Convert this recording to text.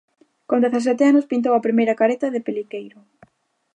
Con dezasete anos pintou a primeira careta de peliqueiro.